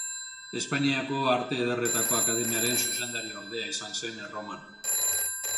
Espainiako Arte Ederretako Akademiaren zuzendariordea izan zen Erroman.